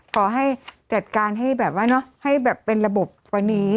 ขอให้จัดการให้แบบว่าให้แบบเป็นระบบกว่านี้